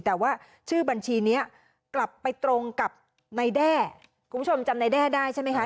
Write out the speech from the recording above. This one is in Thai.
แต่ว่าชื่อบัญชีนี้กลับไปตรงกับนายแด้คุณผู้ชมจำนายแด้ได้ใช่ไหมคะ